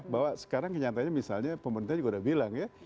bahwa sekarang kenyataannya misalnya pemerintah juga udah bilang ya